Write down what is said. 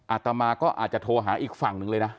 อาตมาก็อาจจะโทรหาอีกฝั่งหนึ่งเลยนะ